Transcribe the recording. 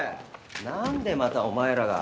何でまたお前らが？